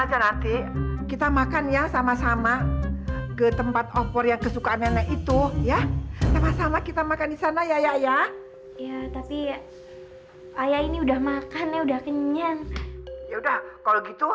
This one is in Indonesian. jangan coba coba mendekat